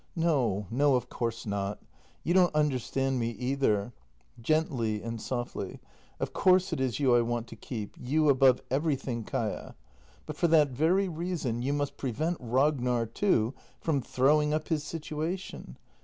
] No, no, of course not! You don't understand me either. [Gently and softly.] Of course it is you I want to keep — you above everything, Kaia. But for that very reason, you must prevent Ragnar, too, from throwing up his situation.